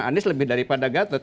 anies lebih daripada gatot